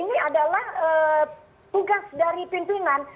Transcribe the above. ini adalah tugas dari pimpinan